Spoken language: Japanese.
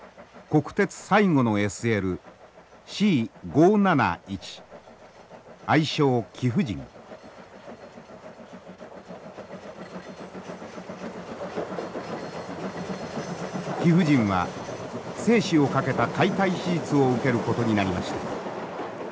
貴婦人は生死をかけた解体手術を受けることになりました。